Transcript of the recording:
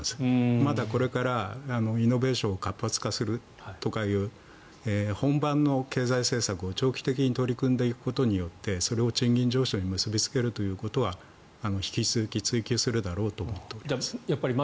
まだこれから、イノベーションを活発化するという本番の経済政策を長期的に取り組んでいくことによってそれを賃金上昇につなげるということは引き続き追求するだろうと思っております。